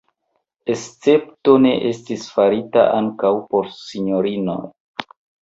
Escepto ne estis farita ankaŭ por sinjorinoj.